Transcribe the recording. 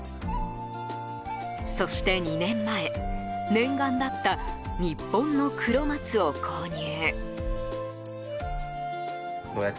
そして２年前念願だった日本の黒松を購入。